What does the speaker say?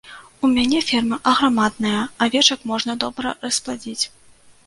У мяне ферма аграмадная, авечак можна добра распладзіць.